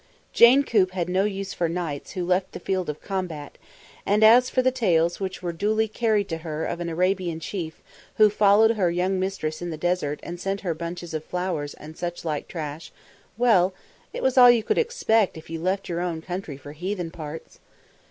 Jane Coop had no use for knights who left the field of combat; and as for the tales which were duly carried to her of an Arabian chief who followed her young mistress in the desert and sent her bunches of flowers and such like trash, well! it was all you could expect if you left your own country for heathen parts!